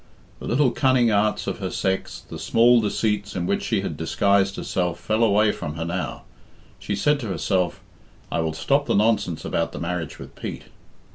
The little cunning arts of her sex, the small deceits in which she had disguised herself fell away from her now. She said to herself, "I will stop the nonsense about the marriage with Pete."